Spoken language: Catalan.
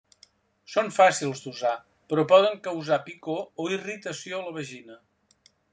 Són fàcils d'usar, però poden causar picor o irritació a la vagina.